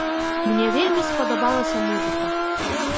Мне вельмі спадабалася музыка.